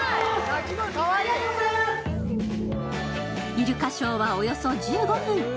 イルカショーはおよそ１５分。